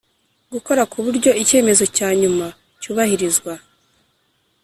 gukora ku buryo icyemezo cya nyuma cyubahirizwa